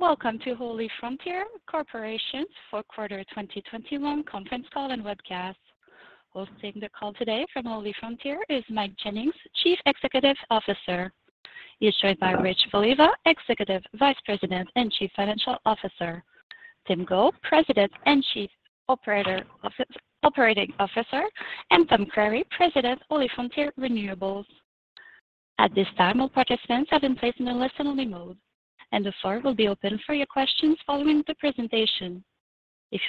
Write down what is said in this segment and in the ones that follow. Welcome to Holy Frontier Corporation's 4th Quarter 2021 Conference Call and Webcast. Hosting the call today from Holy Frontier is Mike Jennings, Chief Executive Officer. You're joined by Rich Valieva, Executive Vice President and Chief Financial Officer Tim Goh, President and Chief Operator Operating Officer and Tom Creery, President, OleFrontier Renewables. At this time, all participants have been placed in a listen only mode and the floor will be open for your questions following the presentation. We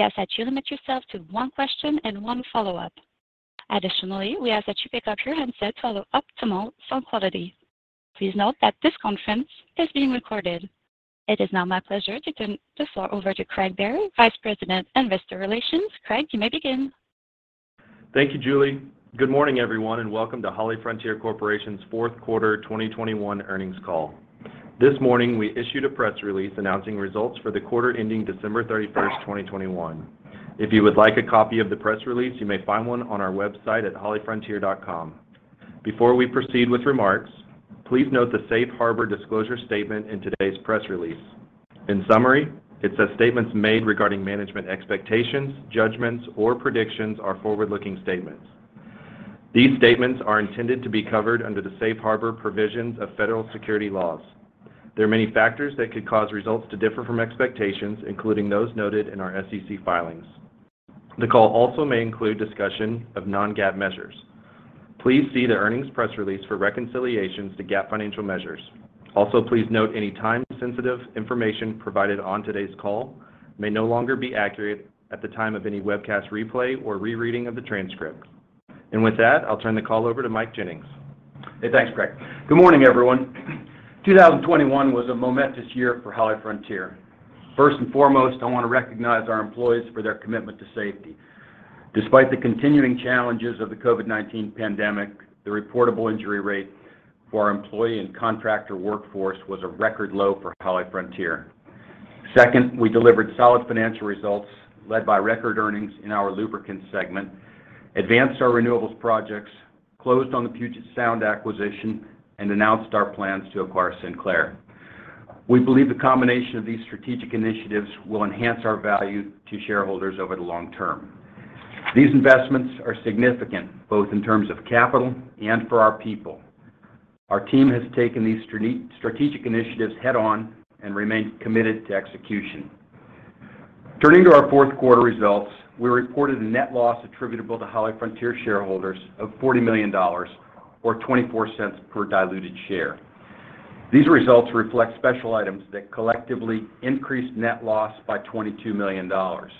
ask that you limit yourself to one question and one follow-up. Additionally, we ask that you pick up your handset to follow optimal phone quality. Please note that this conference is being recorded. It is now my pleasure to turn the floor over to Craig Berry, Vice President, Investor Relations. Craig, you may begin. Thank you, Julie. Good morning, everyone, and welcome to HollyFrontier Corporation's Q4 2021 earnings call. This morning, we issued a press release announcing results for the quarter ending December 31, 2021. If you would like a copy of the press release, you may find 1 on our website at HollyFrontier.com. Before we proceed with remarks, please note the Safe Harbor disclosure statement in today's press release. In summary, it says statements made regarding management expectations, judgments or predictions are forward looking statements. These statements are intended to be covered under the Safe Harbor provisions of federal security laws. There are many factors that could cause results to differ from expectations, including those noted in our SEC filings. The call also may include discussion of non GAAP measures. Please see the earnings press release for reconciliations to GAAP at the time of any webcast replay or rereading of the transcript. And with that, I'll turn the call over to Mike Jennings. Thanks, Greg. Good morning, everyone. 2021 was a momentous year for HollyFrontier. 1st and foremost, I want to recognize our employees for their commitment to safety. Despite the continuing challenges of the COVID-nineteen pandemic, the reportable injury rate for our employee and contractor workforce was a record low for HollyFrontier. 2nd, we delivered solid financial results led by record earnings in our lubricants segment, advanced our renewables projects, Closed on the Puget Sound acquisition and announced our plans to acquire Sinclair. We believe the combination of these strategic initiatives will enhance our value to shareholders over the long term. These investments are significant both in terms of capital and for our people. Our team has taken these strategic initiatives head on and remain committed to execution. Turning to our 4th quarter results. We reported a net loss attributable to HollyFrontier shareholders of $40,000,000 or $0.24 per diluted share. These results reflect special items that collectively increased net loss by $22,000,000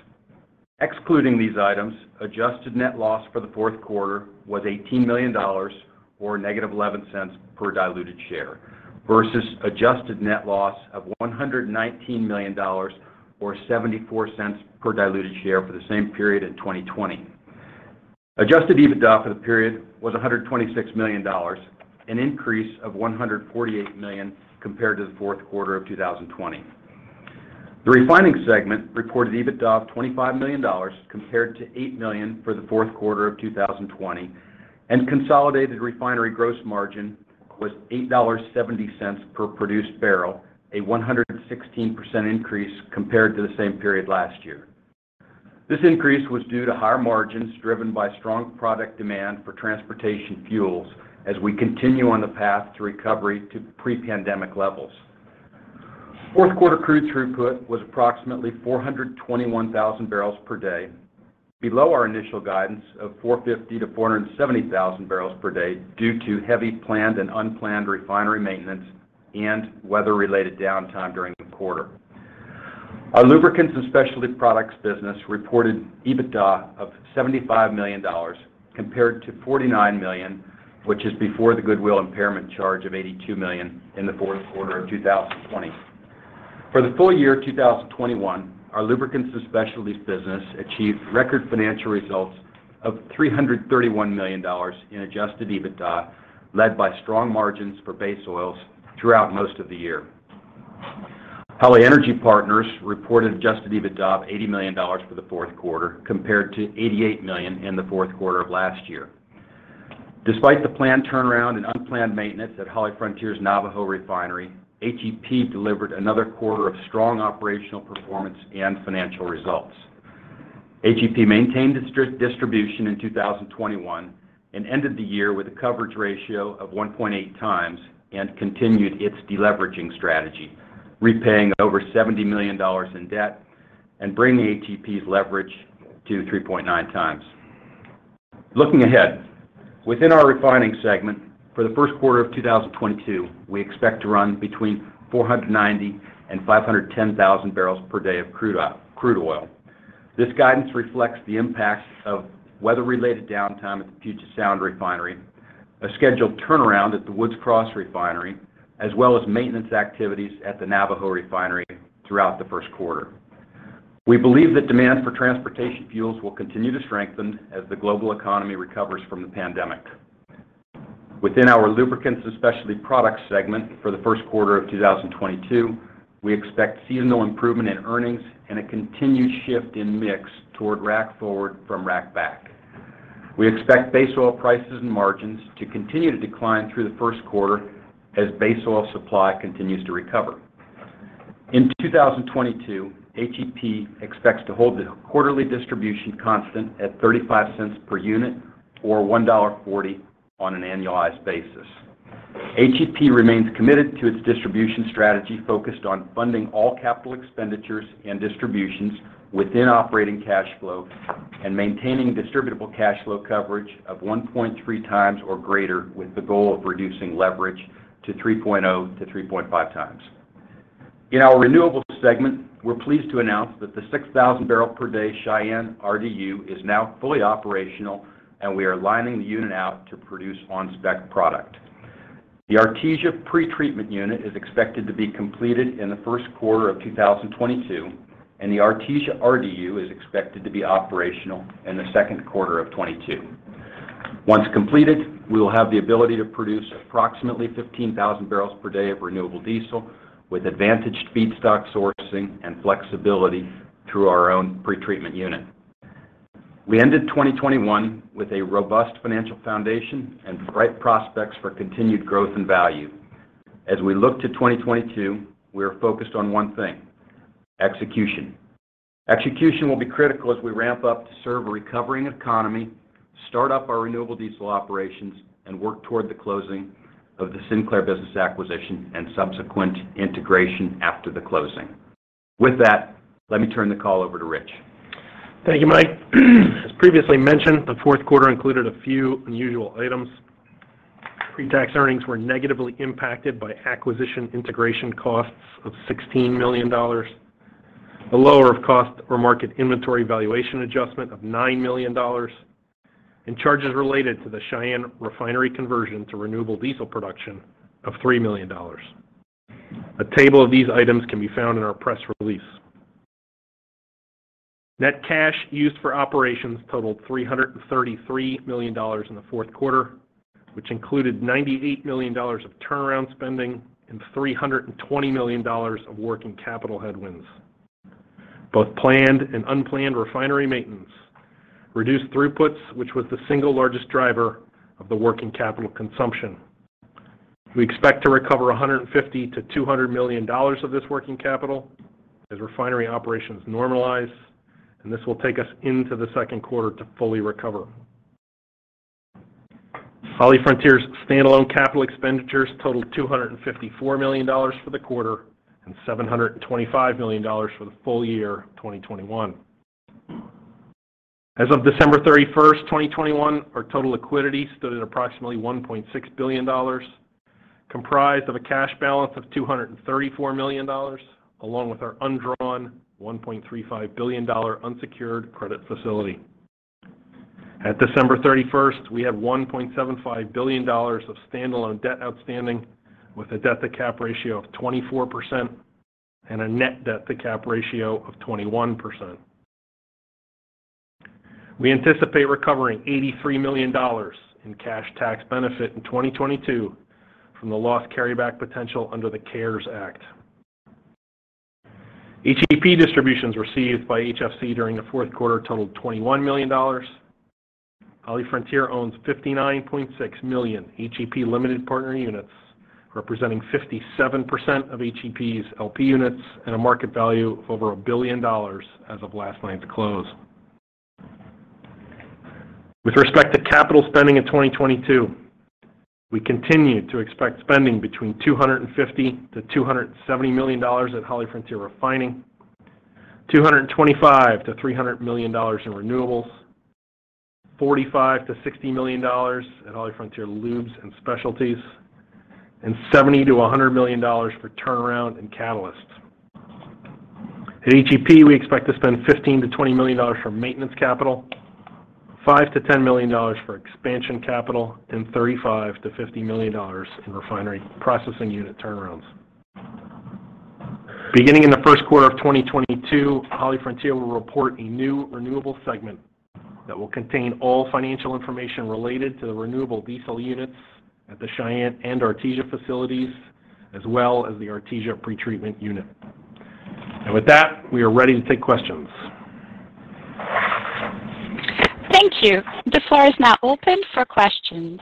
Excluding these items, Adjusted net loss for the Q4 was $18,000,000 or negative $0.11 per diluted share versus adjusted net loss of $119,000,000 or $0.74 per diluted share for the same period in 2020. Adjusted EBITDA for the period was $126,000,000 an increase of $148,000,000 compared to the Q4 of 2020. The refining segment reported EBITDA of $25,000,000 compared to $8,000,000 for the Q4 of 2020 And consolidated refinery gross margin was $8.70 per produced barrel, a 116% increase compared to the same period last year. This increase was due to higher margins driven by strong product demand for transportation fuels as we continue on the path 4th quarter crude throughput was approximately 421,000 barrels per day, Below our initial guidance of 450,000 to 470,000 barrels per day due to heavy planned and unplanned refinery maintenance and weather related downtime during the quarter. Our Lubricants and Specialty Products business reported EBITDA of $75,000,000 compared to $49,000,000 which is before the goodwill impairment charge of $82,000,000 in the Q4 of 2020. For the full year 2021, our lubricants and specialties business achieved record financial results of $331,000,000 in adjusted EBITDA led by strong margins for base oils throughout most of the year. Holly Energy Partners reported adjusted EBITDA of 80,000,000 For the Q4 compared to $88,000,000 in the Q4 of last year. Despite the planned turnaround and unplanned maintenance at HollyFrontier's Navajo Refinery, HEP delivered another quarter of strong operational performance and financial results. HEP maintained its strict distribution in 2021 And ended the year with a coverage ratio of 1.8 times and continued its deleveraging strategy, repaying over $70,000,000 in debt And bringing the ATP's leverage to 3.9 times. Looking ahead, within our refining segment, For the Q1 of 2022, we expect to run between 490,510,000 barrels per day of crude oil. This guidance reflects the impact of weather related downtime at the Puget Sound Refinery, a scheduled turnaround at the Woods Cross Refinery as well as maintenance activities at the Navajo Refinery throughout the Q1. We believe that demand for transportation fuels will continue to strengthen Within our lubricants and specialty products segment for the Q1 of 2022, We expect seasonal improvement in earnings and a continued shift in mix toward Rack Forward from Rack Back. We expect base oil prices and margins to continue to decline through the Q1 as base oil supply continues to recover. In 2022, HEP expects to hold the quarterly distribution constant at $0.35 per unit or 1.40 on an annualized basis. HEP remains committed to its distribution strategy focused on funding all capital Expenditures and distributions within operating cash flow and maintaining distributable cash flow coverage of 1.3 times Or greater with the goal of reducing leverage to 3.0x to 3.5x. In our Renewables segment, we're pleased to announce that the 6,000 barrel per day Cheyenne RDU is now fully operational and we are lining the unit out to produce on spec product. The Artesia pretreatment unit is expected to be completed in the Q1 of 2022 and the Artesia RDU is expected to be operational in the Q2 of 2022. Once completed, we will have the ability to produce approximately 15,000 barrels per day of renewable diesel with advantaged feedstock sourcing and flexibility through our own pretreatment unit. We ended 2021 with a robust financial foundation and bright prospects for continued growth and value. As we look to 2022, we are focused on one thing, Execution. Execution will be critical as we ramp up to serve a recovering economy, start up our renewable diesel operations and work toward the closing of the Sinclair business acquisition and subsequent integration after the closing. With that, Let me turn the call over to Rich. Thank you, Mike. As previously mentioned, the Q4 included a few unusual items. Pre tax earnings were negatively impacted by acquisition integration costs of $16,000,000 a lower of cost or market inventory valuation adjustment of $9,000,000 and charges related to the Cheyenne Refinery conversion to renewable diesel production of $3,000,000 A table of these items can be found in our press release. Net cash used for operations totaled $333,000,000 in the 4th quarter, which included $98,000,000 of turnaround spending and $320,000,000 of working capital headwinds. Both planned and unplanned refinery maintenance, reduced throughputs, which was the single largest driver of the working capital consumption. We expect to recover $150,000,000 to $200,000,000 of this In capital as refinery operations normalize and this will take us into the Q2 to fully recover. HollyFrontier's standalone capital expenditures totaled $254,000,000 for the quarter and $725,000,000 for the full year 2021. As of December 31, 2021, our total liquidity Approximately $1,600,000,000 comprised of a cash balance of $234,000,000 along with our undrawn $1,350,000,000 unsecured credit facility. At December 31, we had $1,750,000,000 of standalone debt outstanding with a debt to cap ratio of 24% and a net debt to cap ratio of 21%. We anticipate recovering $83,000,000 in cash tax benefit in 2022 from the loss carryback potential under the CARES Act. HEP distributions received by HFC during the Q4 totaled $21,000,000 HollyFrontier owns 59,600,000 HEP Limited Partner Units, representing 57% of HEP's LP Units and a market value of over $1,000,000,000 as of last night's close. With respect to capital spending in 2022, We continue to expect spending between $250,000,000 to $270,000,000 at HollyFrontier Refining, $225,000,000 to $300,000,000 in Renewables $45,000,000 to $60,000,000 at HollyFrontier Lubes and Specialties and $70,000,000 to $100,000,000 for turnaround and catalysts. At HEP, we expect to spend $15,000,000 to $20,000,000 for maintenance capital, $5,000,000 to $10,000,000 for expansion capital and $35,000,000 to $50,000,000 in refinery processing unit turnarounds. Beginning in the Q1 of 2022, HollyFrontier will report a new Renewable segment that will contain all financial information related to the renewable diesel units at the Cheyenne and Artesia facilities as well as the Artesia pretreatment unit. And with that, we are ready to take questions. Thank you. The floor is now open for questions.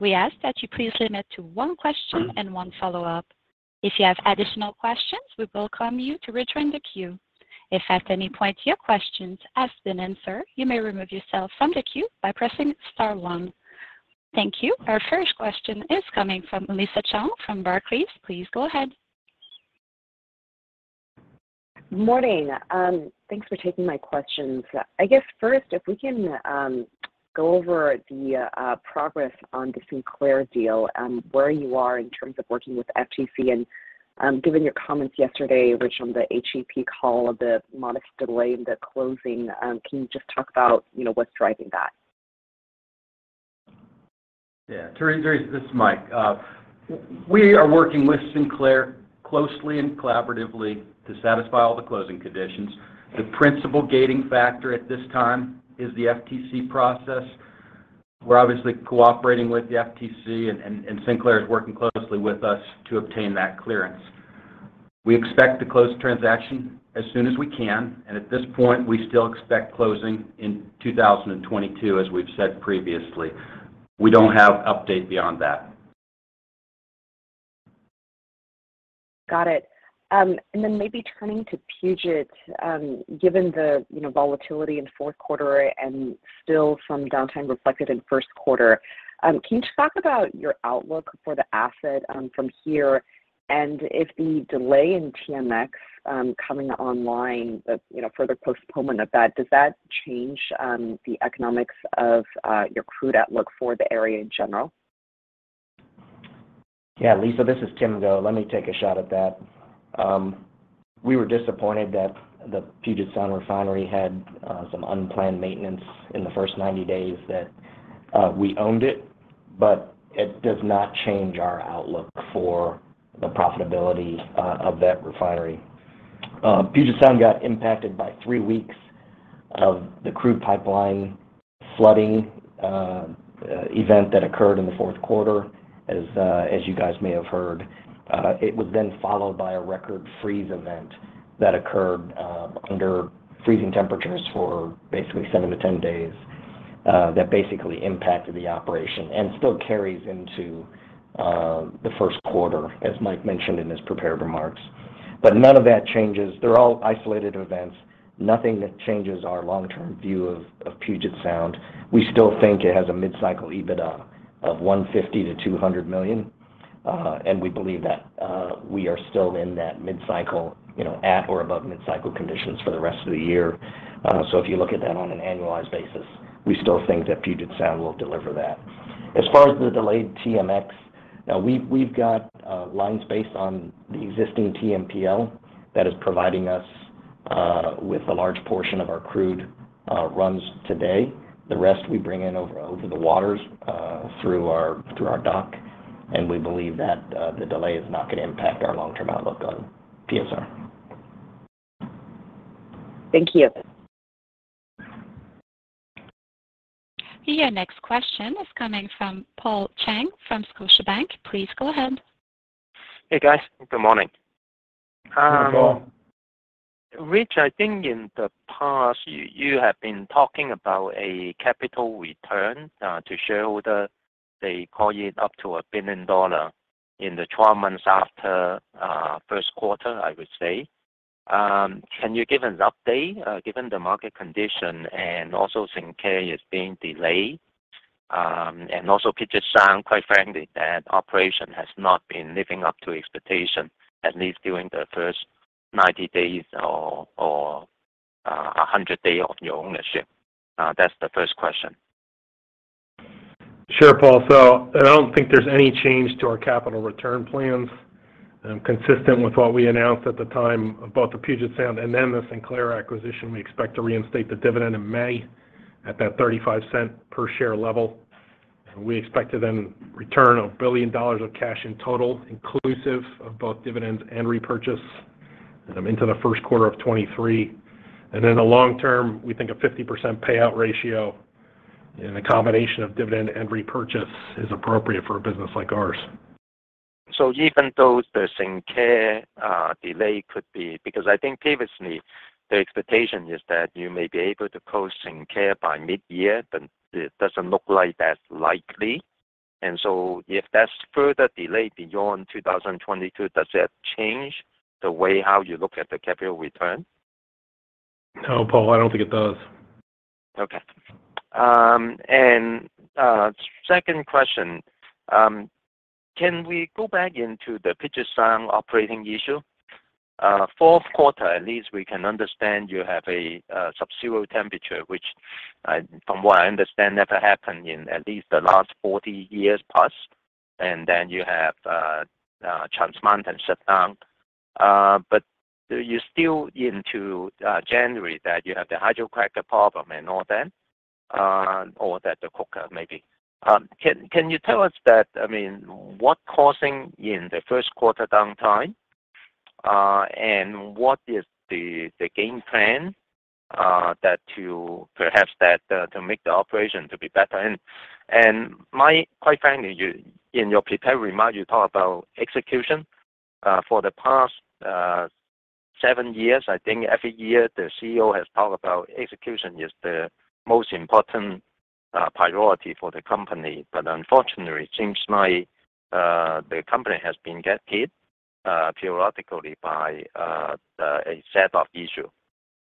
We ask that you please limit to one question and one follow-up. If you have additional questions, we welcome you to return the Thank you. Our first Question is coming from Lisa Chong from Barclays. Please go ahead. Good morning. I guess first, if we can go over the progress on the Sinclair deal, where you are in terms of working with TCN. Given your comments yesterday, Rich, on the HEP call of the modest delay in the closing, can you just talk about what's driving that? Yes. Teri, this is Mike. We are working with Sinclair closely and collaboratively To satisfy all the closing conditions, the principal gating factor at this time is the FTC process. We're obviously cooperating with the FTC and Sinclair is working closely with us to obtain that clearance. We expect to close the transaction As soon as we can. And at this point, we still expect closing in 2022 as we've said previously. We don't have update beyond that. Got it. And then maybe turning to Puget, given the volatility in 4th Quarter and still some downtime reflected in Q1. Can you just talk about your outlook for the asset from here? And if the delay in TMX coming online, further postponement of that, does that change the economics of your crude outlook for the area in general. Yes. Lisa, this is Tim Go. Let me take a shot at that. We were disappointed that the Puget Sound Refinery had some unplanned maintenance in the 1st 90 days that we owned it, but It does not change our outlook for the profitability of that refinery. Puget Sound got impacted by 3 weeks of the crude pipeline flooding event that occurred in the Q4 as you guys may have heard. It was then followed by a record freeze event that occurred under freezing temperatures for basically 7 to 10 days That basically impacted the operation and still carries into the Q1 as Mike mentioned in his prepared remarks. But none of that changes. They're all isolated events. Nothing that changes our long term view of Puget Sound. We still think it has a mid cycle EBITDA Of $150,000,000 to $200,000,000 And we believe that we are still in that mid cycle at or above mid cycle conditions for the rest of the year. So if you look at that on an annualized basis, we still think that Puget Sound will deliver that. As far as the delayed TMX, We've got lines based on the existing TMPL that is providing us with a large portion of our crude Runs today. The rest we bring in over the waters through our dock and we believe that the delay is not going to impact our long Thank you. Your next question is coming from Paul Cheng from Scotiabank. Please go ahead. Hey, guys. Good morning. Rich, I think in the past, you have been talking about a capital return to shareholder. They call you up to $1,000,000,000 in the 12 months after Q1, I would say. Can you give an update given the market condition and also Singkae is being delayed? And also, Kitchensang, quite frankly, that operation Has not been living up to expectation at least during the 1st 90 days or 100 day of your ownership. That's the first question. Sure, Paul. So I don't think there's any change to our capital return plans Consistent with what we announced at the time of both the Puget Sound and then the Sinclair acquisition, we expect to reinstate the dividend in May At that $0.35 per share level, we expect to then return $1,000,000,000 of cash in total, inclusive of both dividends and repurchase Into the Q1 of 2023. And then the long term, we think a 50% payout ratio and a combination of dividend and repurchase is appropriate for So even though the SyncCare delay could be because I think previously The expectation is that you may be able to close in care by mid year, but it doesn't look like that's likely. And so if that's further delayed beyond 2022, does that change the way how you look at the capital return? No, Paul, I don't think it does. Okay. And second question, Can we go back into the picturesque operating issue? 4th quarter, at least, we can understand you have a subzero temperature, which From what I understand, that happened in at least the last 40 years plus and then you have transplant and shutdown. But you're still into January that you have the hydrocracker problem and all that or that the cooker maybe. Can you tell us that, I mean, what causing in the Q1 downtime? And what is the game plan That to perhaps that to make the operation to be better. And Mike, quite frankly, in your prepared remarks, you talked about execution For the past 7 years, I think every year, the CEO has talked about execution is the most important Priority for the company, but unfortunately, since Mike, the company has been get hit periodically by A set of issue.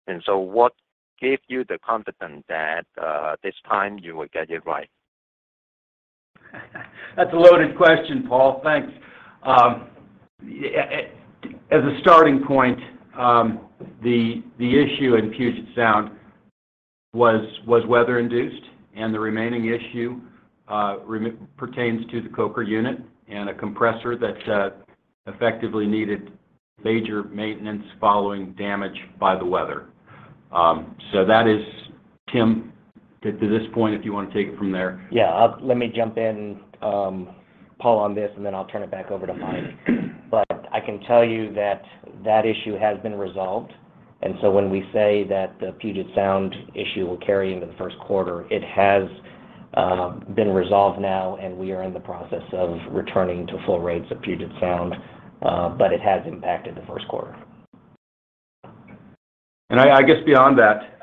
And so what gave you the confidence that this time you will get it right? That's a loaded question, Paul. Thanks. As a starting point, The issue in Puget Sound was weather induced and the remaining issue It pertains to the coker unit and a compressor that effectively needed major maintenance following damage by the weather. So that is Tim to this point if you want to take it from there. Yes. Let me jump in, Paul on this and then I'll turn it back over to Mike. But I can tell you that that issue has been resolved. And so when we say that the Puget Sound She will carry into the Q1. It has been resolved now and we are in the process of returning to full rates of Puget Sound, But it has impacted the Q1. And I guess beyond that,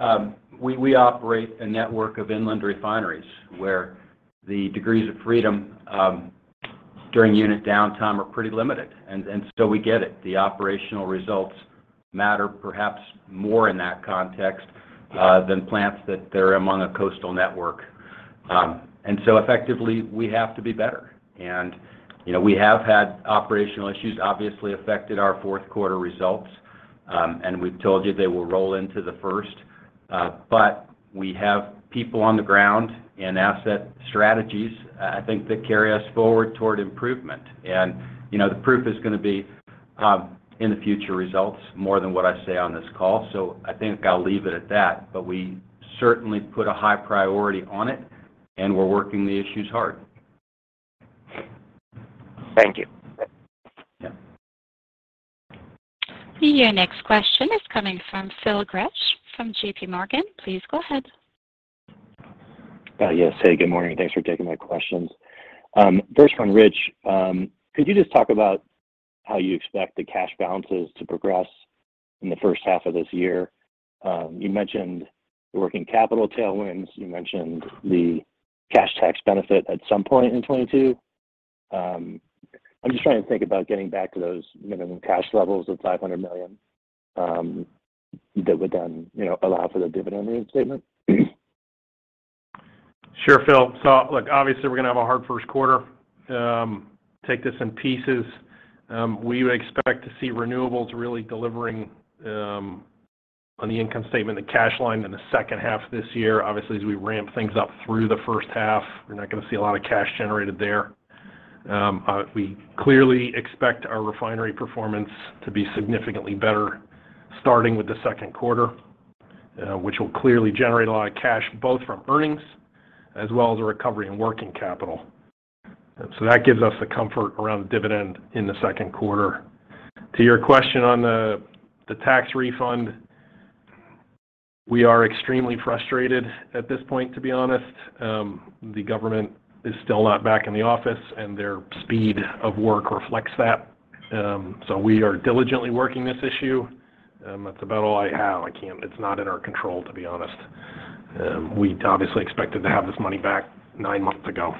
we operate a network of inland refineries where The degrees of freedom during unit downtime are pretty limited. And so we get it. The operational results Matter perhaps more in that context than plants that they're among a coastal network. And so effectively, we have to be better. And we have had operational issues, obviously affected our 4th quarter results, and we've told you they will roll into the first. But We have people on the ground and asset strategies, I think, that carry us forward toward improvement. And the proof is going to be In the future results more than what I say on this call. So I think I'll leave it at that. But we certainly put a high priority on it and we're working the issues hard. Thank you. Your next question is coming from Phil Gresh from JPMorgan. Please go ahead. Yes. Hey, good morning. Thanks for taking my questions. First one, Rich, could you just talk about How you expect the cash balances to progress in the first half of this year? You mentioned the working capital tailwinds. You mentioned the Cash tax benefit at some point in 2022. I'm just trying to think about getting back to those minimum cash levels of 500,000,000 That would then allow for the dividend reinstatement. Sure, Phil. So look, obviously, we're going to have a hard Q1, Take this in pieces. We would expect to see renewables really delivering On the income statement, the cash line in the second half of this year, obviously, as we ramp things up through the first half, we're not going to see a lot of cash generated there. We clearly expect our refinery performance to be significantly better starting with the second quarter, which will clearly generate a lot of cash both from earnings as well as a recovery in working capital. So that gives us the comfort around the dividend in the Q2. To your question on the tax refund, we are extremely frustrated at this point to be honest. The government is still not back in the office and their speed of work reflects that. So we are diligently working this issue. That's about all I have. I can't it's not in our control to be honest. We obviously expected to have this money back 9 months ago.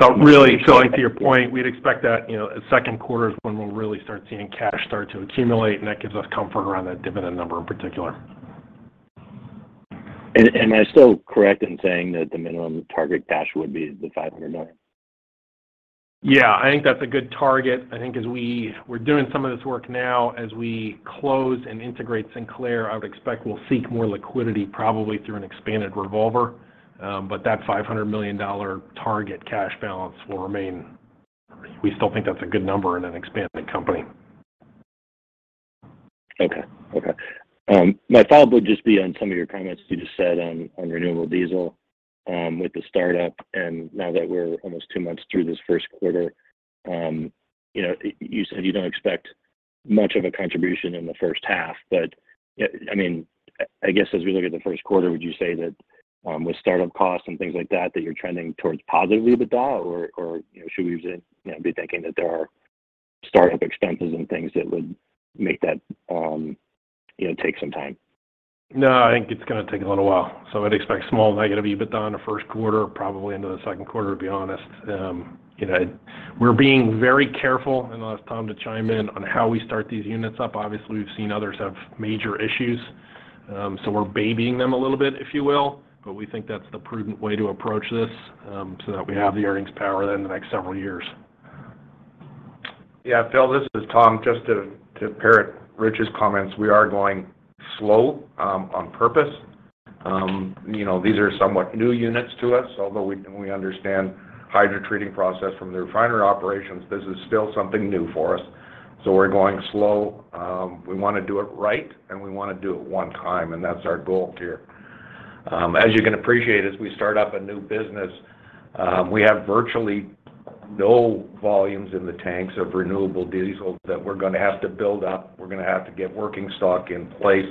So really, to your point, we'd expect that second quarter is when we'll really start seeing cash start to accumulate and that gives us comfort around that dividend number in particular. Am I still correct in saying that the minimum target cash would be the 500,000,000 Yes. I think that's a good target. I think as we we're doing some of this work now as we close and integrate Sinclair, I would We expect we'll seek more liquidity probably through an expanded revolver, but that $500,000,000 target cash balance will remain. We still think that's a good number and an expanding company. Okay. Okay. My follow-up would just be on some of your comments you just said on Renewable diesel, with the start up. And now that we're almost 2 months through this Q1, you said you don't expect Much of a contribution in the first half, but I mean, I guess as we look at the Q1, would you say that with start up costs and things like that, that you're Trending towards positive EBITDA or should we be thinking that there are startup expenses and things that would make that Yes, it will take some time. No, I think it's going to take a little while. So I'd expect small negative EBITDA in the Q1, probably into the Q2 to be honest. Good. We're being very careful and I'll ask Tom to chime in on how we start these units up. Obviously, we've seen others have major issues. So we're babying them a little bit, if you will, but we think that's the prudent way to approach this, so that we have the earnings power in the next several years. Yes, Phil, this is Tom. Just to parrot Rich's comments, we are going slow on purpose. These are somewhat new units to us, although we understand hydrotreating process from the refinery operations. This is still something new for us. So we're going slow. We want to do it right and we want to do it one time and that's our goal here. As you can appreciate as we start up a new business, We have virtually no volumes in the tanks of renewable diesel that we're going to have to build up. We're going to have to get working stock in place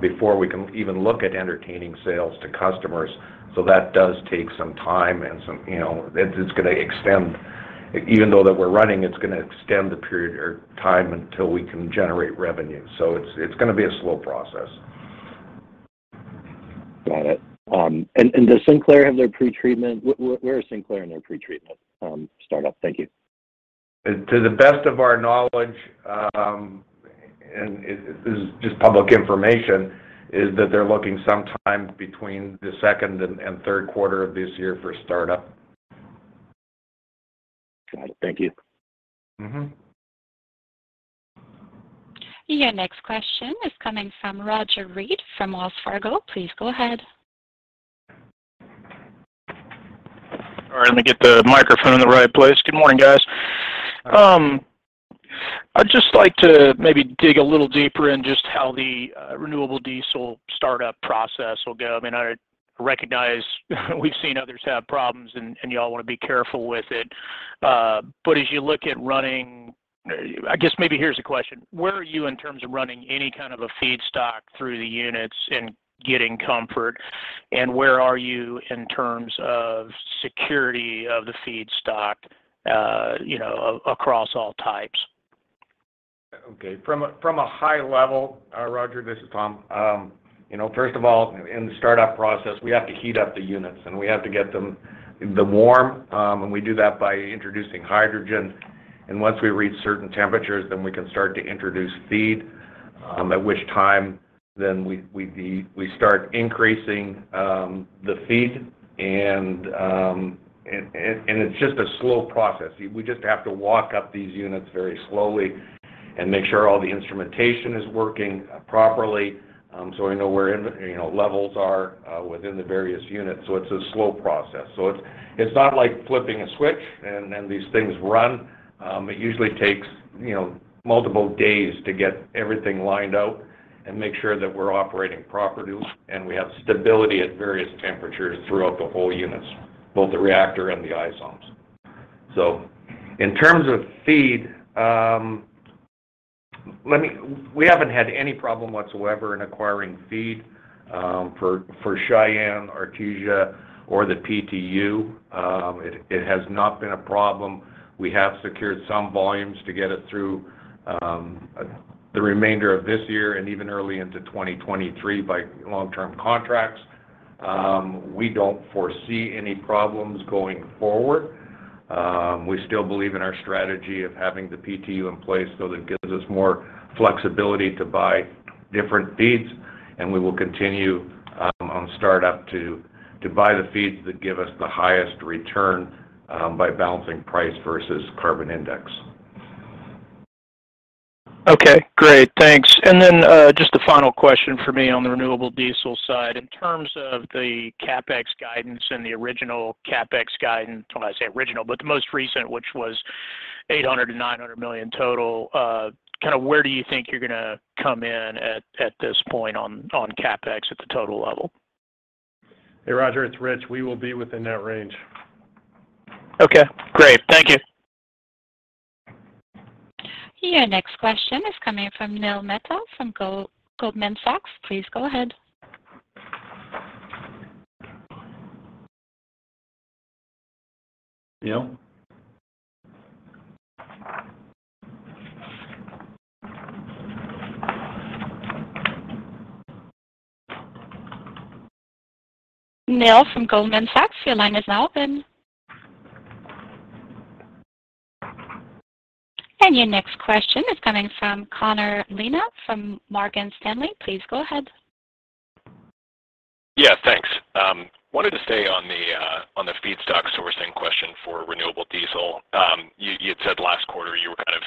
before we can even look at entertaining sales to customers. So that does take some time and It's going to extend. Even though that we're running, it's going to extend the period or time until we can generate revenue. So it's going to be a slow Got it. And does Sinclair have their pretreatment? Where is Sinclair in their pretreatment startup? Thank you. To the best of our knowledge, and this is just public information, is that they're looking sometime between the second and Q3 of this year for start up. Got it. Thank you. Your next question is coming from Roger Read from Wells Fargo. Please go ahead. All right. Let me get the microphone in the right place. Good morning, guys. I'd just like to maybe dig a little deeper in just how the renewable diesel startup process will go. I mean, I Recognize we've seen others have problems and you all want to be careful with it. But as you look at running, I guess maybe here's a question. Where are you in terms of running any kind of a feedstock through the units and getting comfort? And where are you in terms of security of the feedstock across all types. Okay. From a high level, Roger, this is Tom. First of all, in the start up process, we have to heat up the units and we have to get them The warm, and we do that by introducing hydrogen. And once we reach certain temperatures, then we can start to introduce feed, at which time Then we start increasing the feed and it's just a slow process. We just have to walk up these units very slowly and make sure all the instrumentation is working properly, So I know where levels are within the various units. So it's a slow process. So it's not like flipping a switch and these things run. It usually takes multiple days to get everything lined out and make sure that we're operating properly And we have stability at various temperatures throughout the whole units, both the reactor and the isons. So in terms of feed, Let me we haven't had any problem whatsoever in acquiring FEED for Cheyenne, Artesia Or the PTU. It has not been a problem. We have secured some volumes to get it through The remainder of this year and even early into 2023 by long term contracts, we don't foresee any problems going forward. We still believe in our strategy of having the PTU in place, so that gives us more flexibility to buy different feeds. And we will continue on startup to buy the feeds that give us the highest return by balancing price versus carbon index. Okay, great. Thanks. And then just a final question for me on the renewable diesel side. In In terms of the CapEx guidance and the original CapEx guidance, when I say original, but the most recent, which was $800,000,000 to $900,000,000 total, Kind of where do you think you're going to come in at this point on CapEx at the total level? Hey, Roger, it's Rich. We will be within that range. Okay, great. Thank you. Your next question is coming from Neil Mehta from Goldman Sachs. Please go ahead. Neil from Goldman Sachs. Your line is now open. And your next question is coming from Connor Lynagh from Morgan Stanley. Please go ahead. Yes, thanks. Wanted to stay on the feedstock sourcing question for renewable diesel. You had said last quarter you were kind of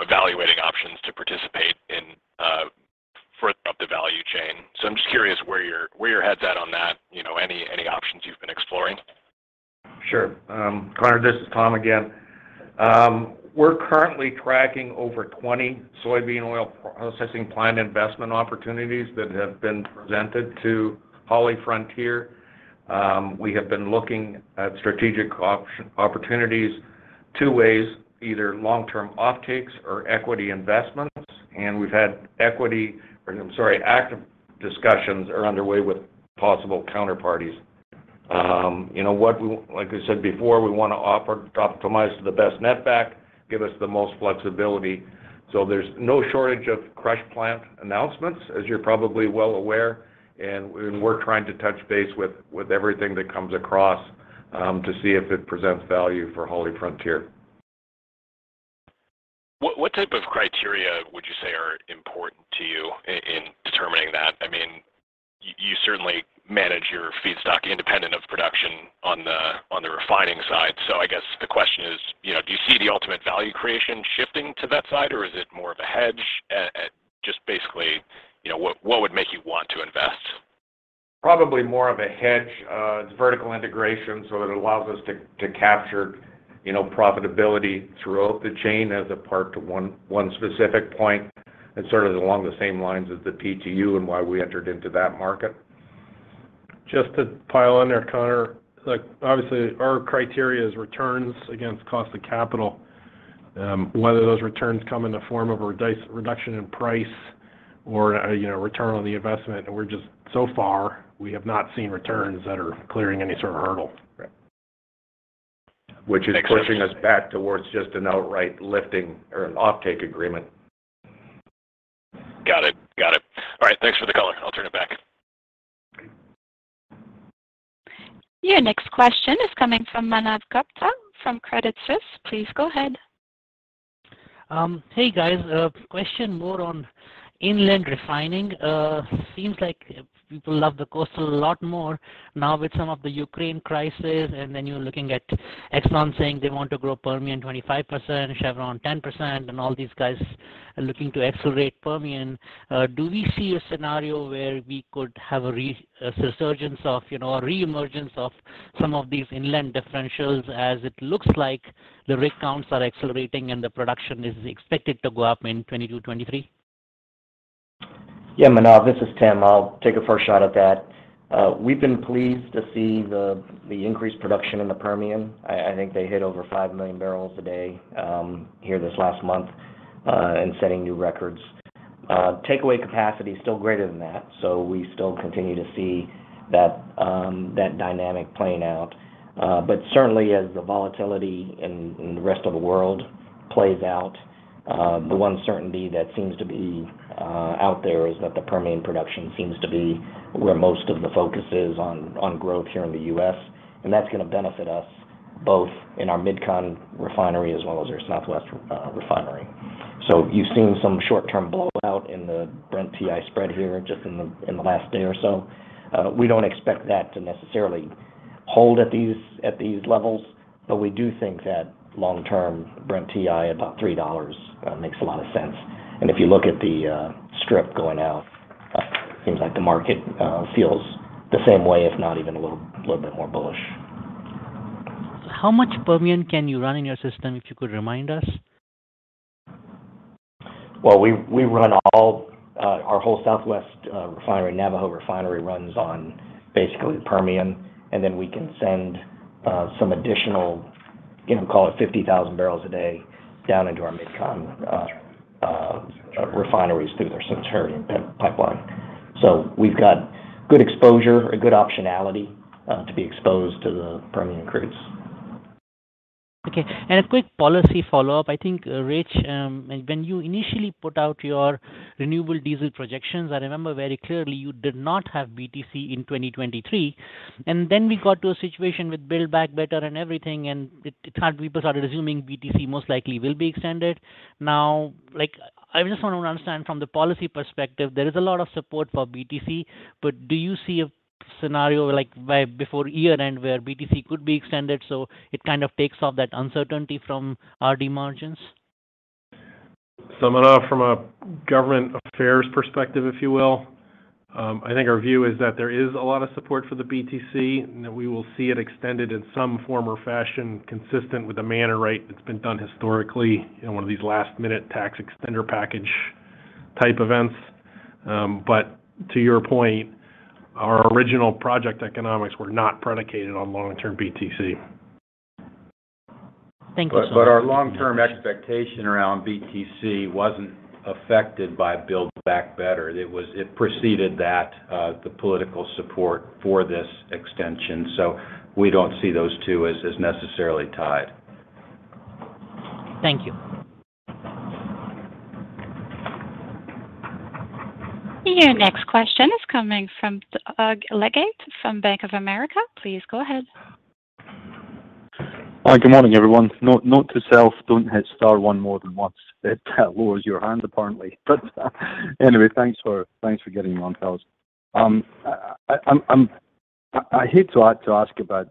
Evaluating options to participate in further up the value chain. So I'm just curious where your head's at on that. Any options you've been exploring? Sure. Conor, this is Tom again. We're currently tracking over 20 soybean oil Processing plant investment opportunities that have been presented to HollyFrontier. We have been looking Strategic Opportunities 2 ways, either long term offtakes or equity investments and we've had equity I'm sorry, active Discussions are underway with possible counterparties. Like I said before, we want to optimize the best netback, Give us the most flexibility. So there's no shortage of crush plant announcements as you're probably well aware. And we're trying to touch base With everything that comes across, to see if it presents value for HollyFrontier. What type of criteria would you say are important to you in determining that? I mean, you certainly manage your feedstock independent of production On the refining side. So I guess the question is, do you see the ultimate value creation shifting to that side? Or is it more of a hedge? Just basically, what would make you want to invest? Probably more of a hedge. It's vertical integration, so it allows us to capture Profitability throughout the chain as a part to one specific point and sort of along the same lines as the PTU and why we entered into that market. Just to pile on there, Connor, look, obviously, our criteria is returns against cost of capital, Whether those returns come in the form of a reduction in price or return on the investment, we're just so far, we have not seen returns that are Clearing any sort of hurdle, which is pushing us back towards just an outright lifting or an offtake agreement. Got it. Got it. All right. Thanks for the color. I'll turn it back. Your next question is coming from Manav Gupta from Credit Suisse. Please go ahead. Hey, guys. Question more on inland refining. Seems like People love the coast a lot more. Now with some of the Ukraine crisis and then you're looking at Exxon saying they want to grow Permian 25%, Chevron 10% and all Skies looking to accelerate Permian. Do we see a scenario where we could have a resurgence of or reemergence of Some of these inland differentials as it looks like the rig counts are accelerating and the production is expected to go up in 2022, 2023? Yes, Manav, this is Tim. I'll take a first shot at that. We've been pleased to see the increased production in the Permian. I think they hit over 5,000,000 barrels a day here this last month and setting new records. Takeaway capacity is still greater than that. So we still continue to see that dynamic playing out. But certainly as the volatility in the rest of the world Plays out. The one certainty that seems to be out there is that the Permian production seems to be where most of the focus is On growth here in the U. S. And that's going to benefit us both in our Mid Con refinery as well as our Southwest Refinery. So you've seen some short term blowout in the Brent TI spread here just in the last day or so. We don't expect that to necessarily Hold at these levels, but we do think that long term Brent TI about $3 makes a lot of sense. And if you look at the strip going out, it seems like the market feels the same way, if not even a little bit more bullish. How much Permian can you run-in your system, if you could remind us? Well, we run all Our whole Southwest refinery, Navajo refinery runs on basically the Permian and then we can send some additional, Call it 50,000 barrels a day down into our Mid Con refineries through their subterranean pipeline. So we've got Good exposure, a good optionality to be exposed to the Permian crudes. Okay. And a quick policy follow-up. I think, Rich, When you initially put out your renewable diesel projections, I remember very clearly you did not have BTC in 2023. And then we got to a situation with Build Back Better and everything and it had people started resuming BTC most likely will be extended. Now like I I just want to understand from the policy perspective, there is a lot of support for BTC, but do you see a scenario like before year end where BTC could be extended so It kind of takes off that uncertainty from RD margins. Samana from a government affairs perspective, if you will, I think our view is that there is a lot of support for the BTC and that we will see it extended in some form or fashion consistent with the manner right Been done historically in one of these last minute tax extender package type events. But to your point, Our original project economics were not predicated on long term BTC. Thanks, Mike. But our long term expectation around BTC See, it wasn't affected by Build Back Better. It preceded that, the political support for this extension. So We don't see those 2 as necessarily tied. Thank you. Your next question is coming from Doug Leggate from Bank of America. Please go ahead. Hi, good morning, everyone. Note to self, don't hit star 1 more than once. It lowers your hand apparently. But anyway, thanks Thanks for getting on, Carlos. I hate to ask about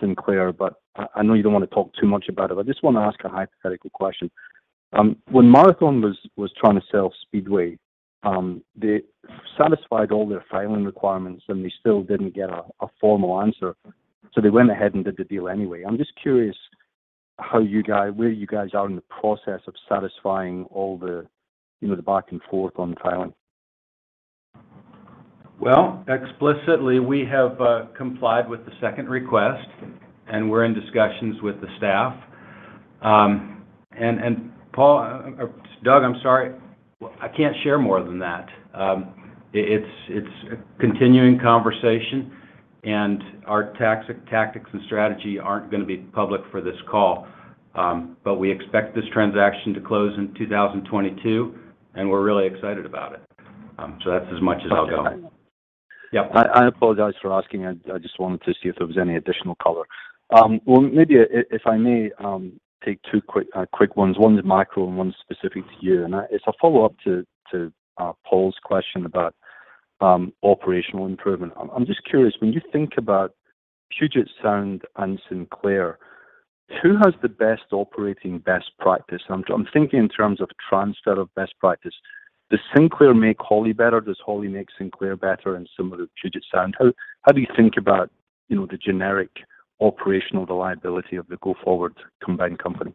Sinclair, but I know you don't want to talk too much about it. I just want to ask a hypothetical Question. When Marathon was trying to sell Speedway, they satisfied all their filing requirements and they still didn't get A formal answer. So they went ahead and did the deal anyway. I'm just curious how you guys where you guys are in the process of satisfying all You're back and forth on filing. Well, explicitly, we have complied with the second request, And we're in discussions with the staff. And Paul Doug, I'm sorry. I can't share more than that. It's a continuing conversation and our tactics and strategy aren't going to be public for this But we expect this transaction to close in 2022 and we're really excited about it. So that's as much as I'll Yes. I apologize for asking. I just wanted to see if there was any additional color. Well, maybe if I may Take 2 quick ones. One is micro and one is specific to you. And as a follow-up to Paul's question about Operational Improvement. I'm just curious, when you think about Puget Sound and Sinclair, who has the best operating best Practice, I'm thinking in terms of transfer of best practice. Does Sinclair make Holly better? Does Holly make Sinclair better and similar to Puget Sound? How do you think about The generic operational reliability of the go forward combined company.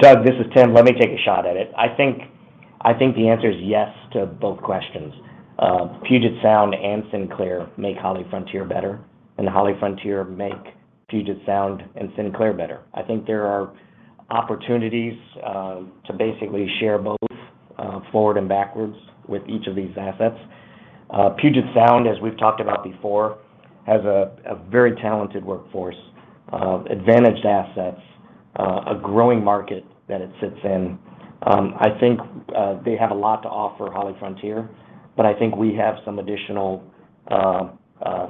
Doug, this is Tim. Let me take a shot at it. I think the answer is yes to both questions. Puget Sound and Sinclair Make HollyFrontier better and HollyFrontier make Puget Sound and Sinclair better. I think there are opportunities to basically share both Forward and backwards with each of these assets. Puget Sound, as we've talked about before, has a very talented workforce, Advantage to assets, a growing market that it sits in. I think they have a lot to offer HollyFrontier, but I think we have Some additional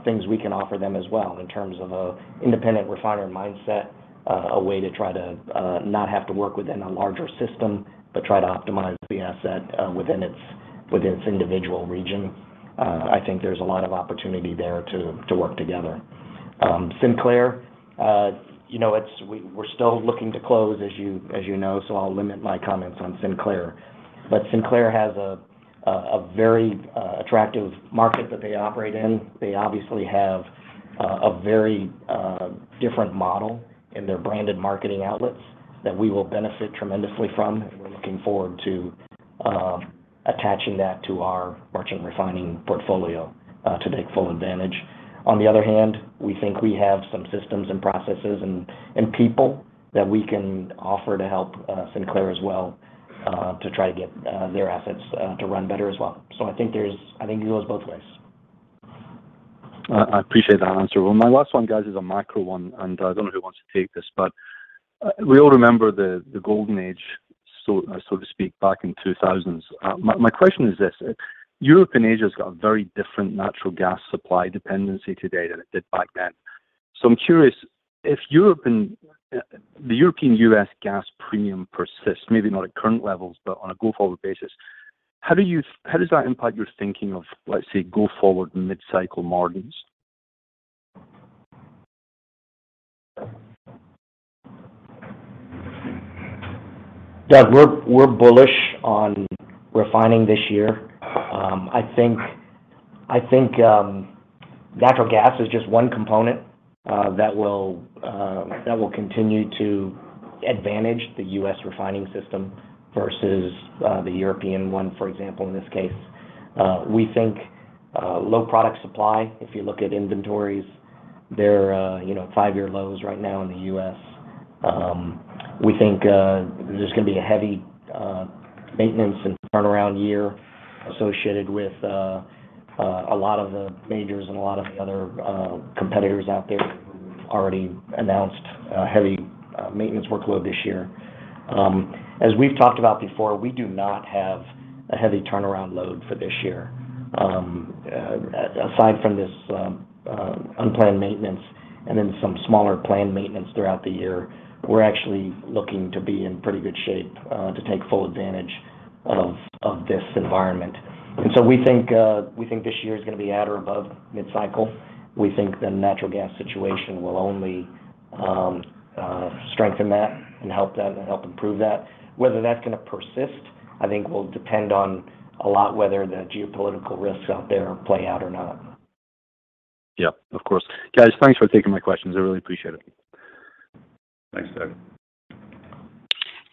things we can offer them as well in terms of an independent refinery mindset, a way to try to Not have to work within a larger system, but try to optimize the asset within its individual region. I think there's a lot of opportunity there to work together. Sinclair, we're still looking to close As you know, so I'll limit my comments on Sinclair. But Sinclair has a very attractive market that they operate in. They obviously have A very different model in their branded marketing outlets that we will benefit tremendously from and we're looking forward to Attaching that to our merchant refining portfolio to take full advantage. On the other hand, we think we have some systems and processes and people That we can offer to help Sinclair as well to try to get their assets to run better as well. So I think there's I think it goes both ways. I appreciate that answer. Well, my last one, guys, is a macro one, and I don't know who wants to take this. But we all remember the golden age, So to speak back in 2000. My question is this, Europe and Asia has got a very different natural gas supply dependency today than it did back then. So I'm curious, if European the European U. S. Gas premium persists, maybe not at current levels, but on a go forward basis, How do you how does that impact your thinking of, let's say, go forward mid cycle margins? Doug, we're bullish on Refining this year, I think natural gas is just one component That will continue to advantage the U. S. Refining system versus the European one, for example, in this case. We think low product supply, if you look at inventories, there are 5 year lows right now in the U. S. We think this is going to be a heavy maintenance and turnaround year associated with A lot of the majors and a lot of the other competitors out there already announced heavy maintenance workload this year. As we've talked about before, we do not have a heavy turnaround load for this year, aside from this Unplanned maintenance and then some smaller planned maintenance throughout the year. We're actually looking to be in pretty good shape to take full advantage Of this environment. And so we think this year is going to be at or above mid cycle. We think the natural gas situation will only Strengthen that and help them and help improve that. Whether that's going to persist, I think will depend on A lot whether the geopolitical risks out there play out or not. Yes, of course. Guys, thanks for taking my questions. I really appreciate it. Thanks, Doug.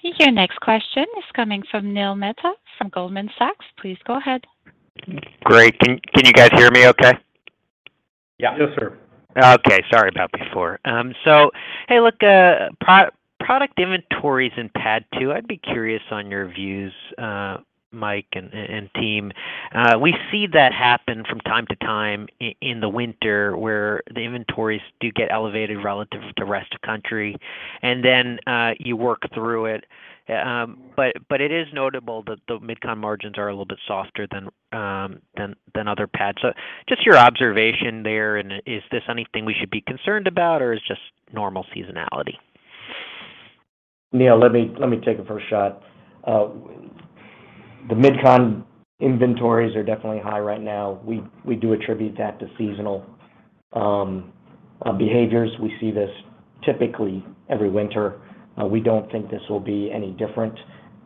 Your next question is coming from Neil Mehta from Goldman Sachs. Please go ahead. Great. Can you guys hear me okay? Yes, sir. Okay. Sorry about before. So, hey, look, product inventories in PADD II, I'd be curious on your views, Mike and team. We see that happen from time to time in the winter where the inventories do get elevated relative to rest of country. And then, you worked through it. But it is notable that the Mid Con margins are a little bit softer Then other pets. Just your observation there and is this anything we should be concerned about or it's just normal seasonality? Neil, let me take the first shot. The Mid Con inventories are definitely high right now. We do attribute that to seasonal Behaviors, we see this typically every winter. We don't think this will be any different.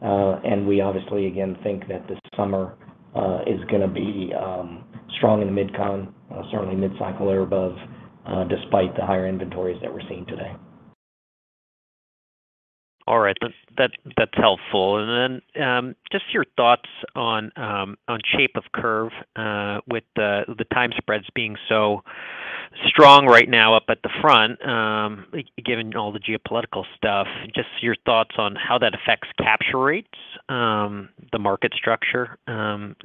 And we obviously again think that this summer is going to be strong in the Mid Con, certainly mid cycle or above Despite the higher inventories that we're seeing today. All right. That's helpful. And then just your thoughts On shape of curve, with the time spreads being so strong right now up at the front, given all the geopolitical Stuff. Just your thoughts on how that affects capture rates, the market structure? And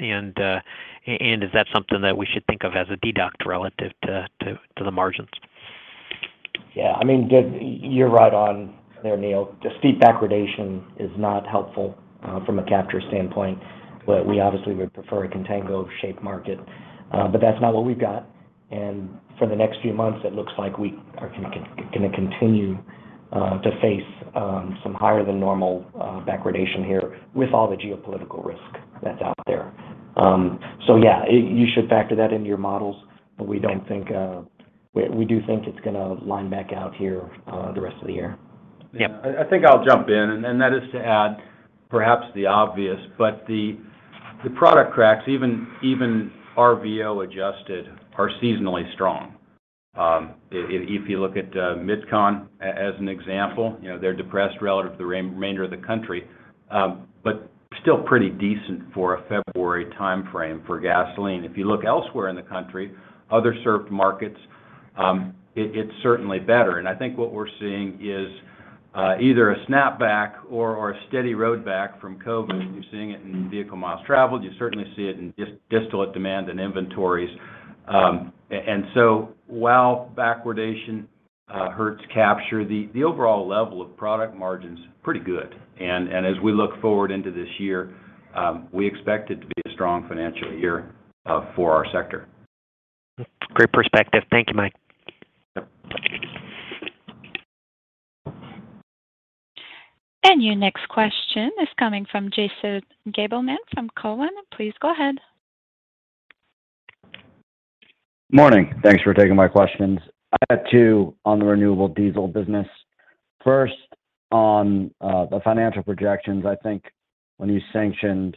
is that something that we should think of as a deduct relative to the margins? Yes. I mean, you're right on There, Neil. The feedback gradation is not helpful from a capture standpoint, but we obviously would prefer a contango shaped market, but that's not what we've got. And for the next few months, it looks like we are going to continue to face some higher than normal backwardation here With all the geopolitical risk that's out there. So yes, you should factor that into your models, but we don't think We do think it's going to line back out here the rest of the year. Yes. I think I'll jump in and that is to add Perhaps the obvious, but the product cracks even RVO adjusted are seasonally strong. If you look at MidCon as an example, they're depressed relative to the remainder of the country, but Still pretty decent for a February timeframe for gasoline. If you look elsewhere in the country, other served markets, It's certainly better. And I think what we're seeing is either a snapback or a steady road back From COVID, you're seeing it in vehicle miles traveled. You certainly see it in distillate demand and inventories. And so while backwardation Hertz, capture. The overall level of product margin is pretty good. And as we look forward into this year, we expect it to be a strong financial year for our sector. Great perspective. Thank you, Mike. And your next question is coming from Jaeson Gabelman from Cowen. Please go ahead. Good morning. Thanks for taking my questions. I had 2 on the renewable diesel business. First on the financial projections, I think when you sanctioned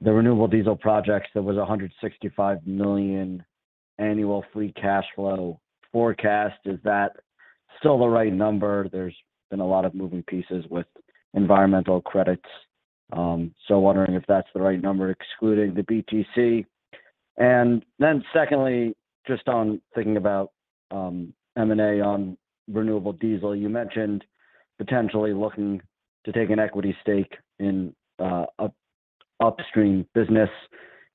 the renewable diesel projects, there was 165,000,000 Annual free cash flow forecast, is that still the right number? There's been a lot of moving pieces with environmental credits. So wondering if that's the right number excluding the BTC. And then secondly, just on thinking about M and A on renewable diesel. You mentioned potentially looking to take an equity stake in Upstream Business.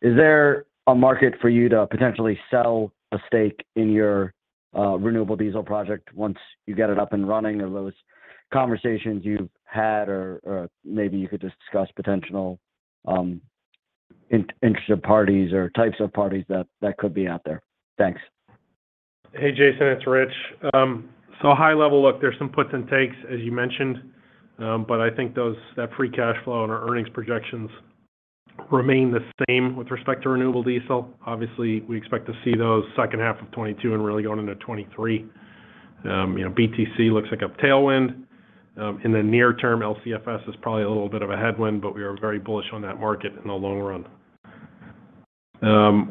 Is there a market for you to potentially sell a stake in your renewable diesel project once You got it up and running, are those conversations you've had or maybe you could discuss potential Interested parties or types of parties that could be out there. Thanks. Hey, Jason, it's Rich. So high level, look, there's some puts and takes as you mentioned, but I think those that free cash flow and our earnings projections Remain the same with respect to renewable diesel. Obviously, we expect to see those second half of twenty twenty two and really going into twenty twenty BTC looks like a tailwind. In the near term LCFS is probably a little bit of a headwind, but we are very bullish on that market in the long run.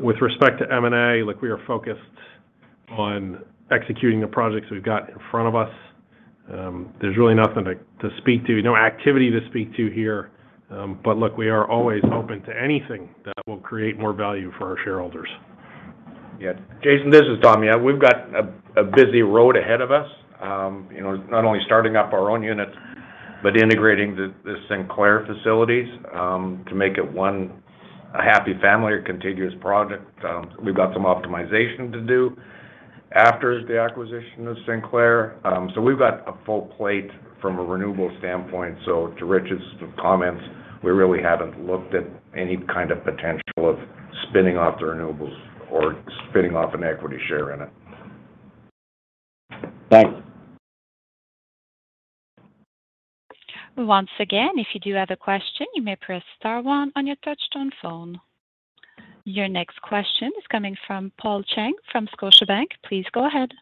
With respect to M and A, look, we are focused on executing the projects we've got in front of us. There's really nothing to speak to, no activity to speak to here. But look, we are always open to anything that will create more value for our shareholders. Yes. Jason, this is Tom. Yeah, we've got a busy road ahead of us, not only starting up our own unit, but integrating The Sinclair facilities, to make it 1 a happy family or contiguous project. We've got some optimization to do After the acquisition of Sinclair, so we've got a full plate from a renewable standpoint. So to Rich's comments, we really haven't looked at Any kind of potential of spinning off the renewables or spinning off an equity share in it. Thanks. Your next question is coming from Paul Cheng from Scotiabank. Please go ahead.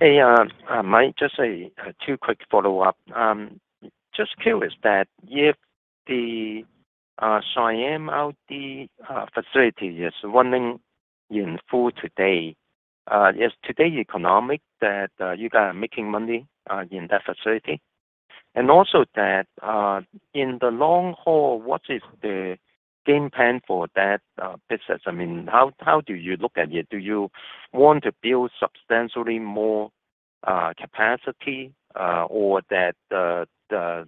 Hey, Mike. Just a 2 quick follow-up. Just curious that if the Siam of the facility is wondering In full today, is today economic that you guys are making money in that facility? And also, Thad, in the long haul, what is the game plan for that business? I mean, how do you look at it? Do you Want to build substantially more capacity or that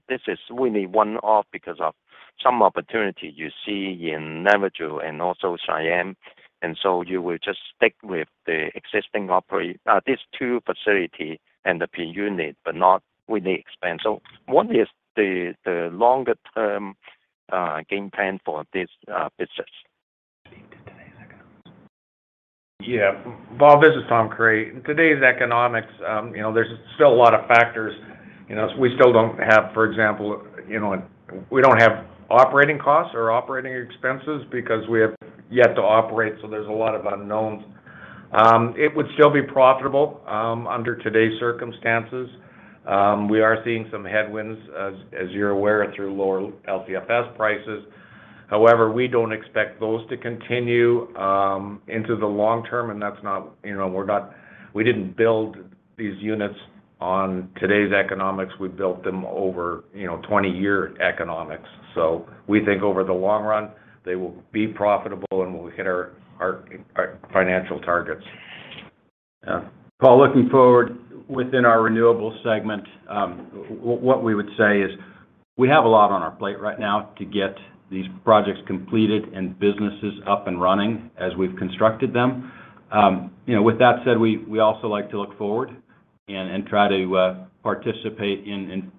this is really one off because of Some opportunity you see in Navajo and also Siam. And so you will just stick with the existing operate these two facility And the P unit, but not with the expense. So what is the longer term game plan for this business? Yes. Bob, this is Tom Cray. Today's economics, there's still a lot of factors. We still don't have, for example, we don't have operating costs or operating expenses because we have yet to operate. So there's a lot of unknowns. It would still be profitable under today's circumstances. We are seeing some headwinds as you're aware through lower LCFS prices. However, we don't expect those to continue into the long term and that's not we didn't build These units on today's economics, we've built them over 20 year economics. So we think over the long run, They will be profitable and we'll hit our financial targets. Paul, looking forward within our Renewables segment, What we would say is, we have a lot on our plate right now to get these projects completed and businesses up and running as we've constructed them. With that said, we also like to look forward and try to participate in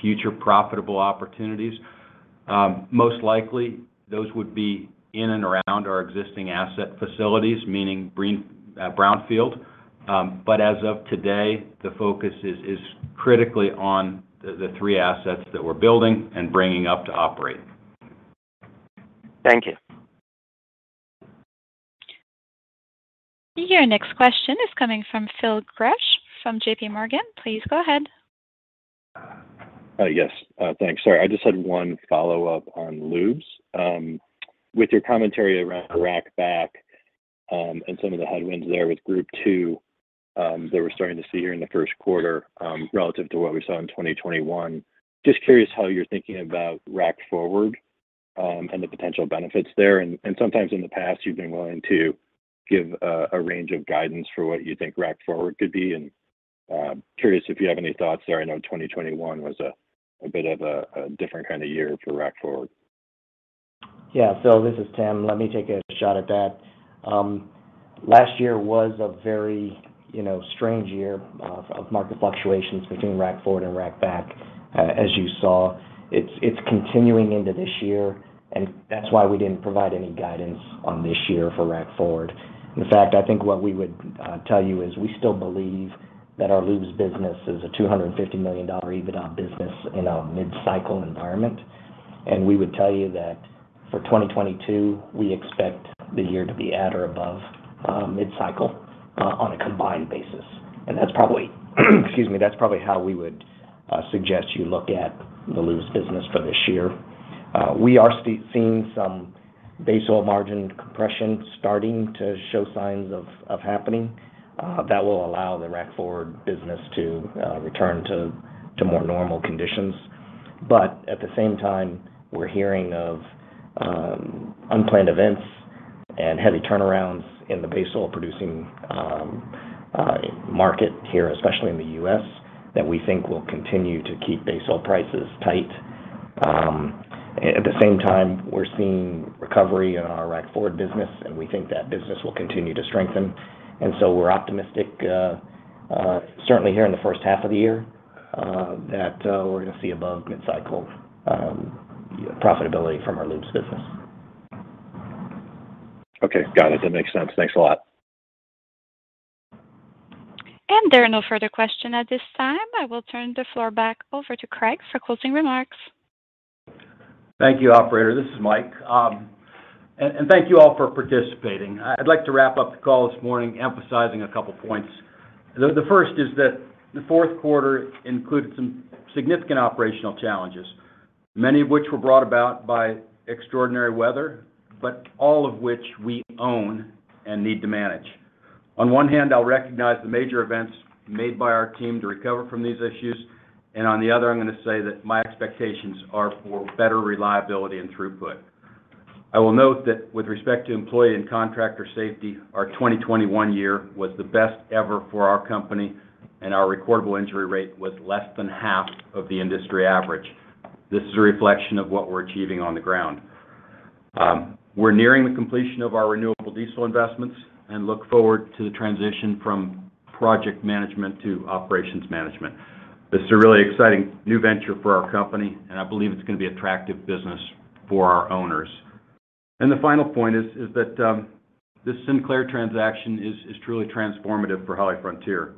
future profitable opportunities. Most likely, those would be in and around our existing asset facilities, meaning Brownfield. But as of today, the focus is critically on the three assets that we're building and bringing up to operate. Thank you. Your next question is coming from Phil Gresh from JPMorgan. Please go ahead. Yes. Thanks. Sorry, I just had one follow-up on lubes. With your commentary around Rack Back And some of the headwinds there with Group 2 that we're starting to see here in the Q1 relative to what we saw in 2021. Just curious how you're thinking about Rack Forward and the potential benefits there. And sometimes in the past, you've been willing to Give a range of guidance for what you think Rack Forward could be and curious if you have any thoughts there. I know 2021 was A bit of a different kind of year for Rack Forward. Yes. Phil, this is Tim. Let me take a shot at that. Last year was a very strange year of market fluctuations between Rack Forward and Rack Back as you saw. It's continuing into this year and that's why we didn't provide any guidance on this year for Rack Forward. In fact, I think what we would I'll tell you is we still believe that our lubes business is a $250,000,000 EBITDA business in our mid cycle environment. And we would tell you that For 2022, we expect the year to be at or above mid cycle on a combined basis. And that's probably how we would I suggest you look at the Louvre's business for this year. We are seeing some base oil margin Impression starting to show signs of happening. That will allow the Rack Forward business to return to more normal conditions. But at the same time, we're hearing of unplanned events and heavy turnarounds In the base oil producing market here, especially in the U. S. That we think will continue to keep base oil prices tight. At the same time, we're seeing recovery in our Rack Ford business, and we think that business will continue to strengthen. And so we're optimistic Certainly here in the first half of the year that we're going to see above mid cycle profitability from our lubes business. Okay, got it. That makes sense. Thanks a lot. And there are no further questions at this time. I will turn the floor back over to Craig for closing remarks. Thank you, operator. This is Mike. And thank you all for participating. I'd like to wrap up the call this morning emphasizing a couple of points. The first is that the Q4 included some significant operational challenges, many of which were brought about by Extraordinary weather, but all of which we own and need to manage. On one hand, I'll recognize the major events Made by our team to recover from these issues. And on the other, I'm going to say that my expectations are for better reliability and throughput. I will note that with respect to employee and contractor safety, our 2021 year was the best ever for our company And our recordable injury rate was less than half of the industry average. This is a reflection of what we're achieving on the ground. We're nearing the completion of our renewable diesel investments and look forward to the transition from project management to operations management. This is a really exciting new venture for our company and I believe it's going to be attractive business for our owners. And the final point is that This Sinclair transaction is truly transformative for HollyFrontier.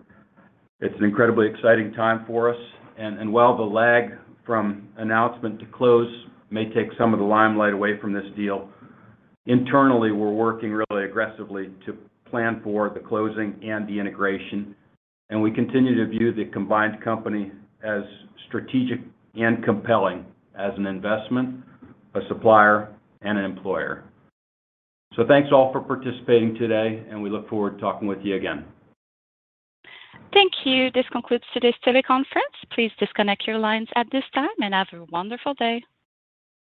It's an incredibly exciting time for us. And while the lag From announcement to close may take some of the limelight away from this deal. Internally, we're working really aggressively to planned for the closing and the integration and we continue to view the combined company as strategic and compelling as an investment, a supplier and an employer. So thanks all for participating today and we look forward to talking with you again. Thank you. This concludes today's teleconference. Please disconnect your lines at this time and have a wonderful day.